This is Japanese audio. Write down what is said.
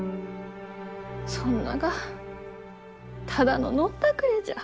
そんながただの飲んだくれじゃ。